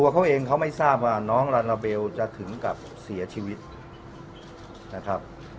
เขาเองเขาไม่ทราบว่าน้องลาลาเบลจะถึงกับเสียชีวิตนะครับ